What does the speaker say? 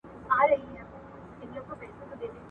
زه مخکي بوټونه پاک کړي وو!.